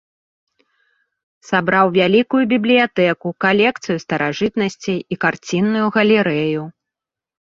Сабраў вялікую бібліятэку, калекцыю старажытнасцей і карцінную галерэю.